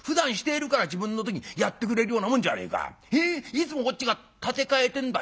いつもこっちが立て替えてんだよ。